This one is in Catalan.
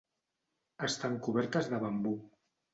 Estan cobertes de bambú.